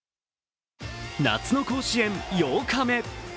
夏の甲子園８日目。